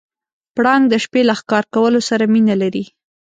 پړانګ د شپې له ښکار کولو سره مینه لري.